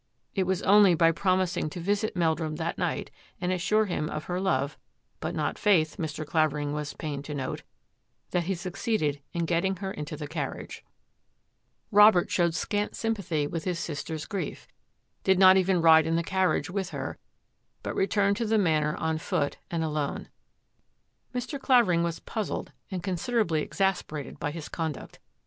It was only by promising to visit Meldrum that night and assure him of her love — but not faith, Mr. Clavering was pained to note — that he succeeded in getting her into the carriage. 199 200 THAT AFFAIR AT THE MANOR Robert showed scant sympathy with his sister^s grief, did not even ride in the carriage with her, but returned to the Manor on foot and alone. Mr. Clavering was puzzled and considerably ex asperated by his conduct.